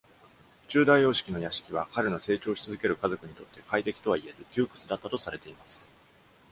チューダー様式の屋敷は、彼の成長し続ける家族にとって快適とはいえず、窮屈だったとされています。